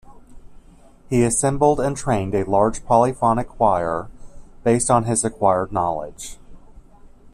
He assembled and trained a large polyphonic choir based on his acquired knowledge.